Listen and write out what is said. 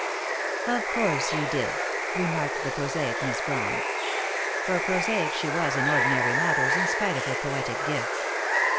'" "Of course you did," remarked the prosaic Miss Brawn. For prosaic she was in ordinary matters, in spite of her poetic gift.